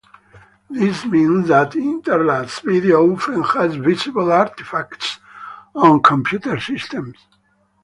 This means that interlaced video often has visible artifacts on computer systems.